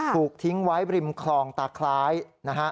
ถูกทิ้งไว้ริมคลองตาคล้ายนะฮะ